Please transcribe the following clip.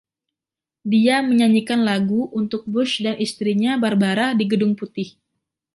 Dia menyanyikan lagu untuk Bush dan istrinya, Barbara, di Gedung Putih.